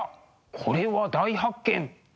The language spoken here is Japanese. これは大発見。